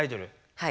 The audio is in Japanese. はい。